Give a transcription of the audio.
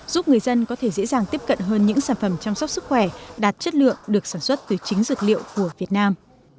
giúp người dân có thể dễ dàng tiếp cận hơn những sản phẩm chăm sóc sức khỏe đạt chất lượng được sản xuất từ chính dược liệu của việt nam